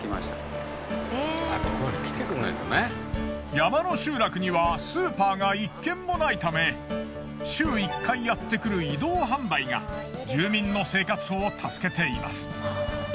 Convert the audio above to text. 山の集落にはスーパーが１軒もないため週１回やってくる移動販売が住民の生活を助けています。